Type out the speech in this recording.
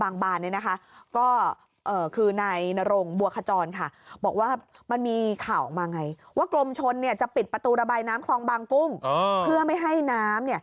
น้ำคลองบางกุ้งเพื่อไม่ให้น้ำ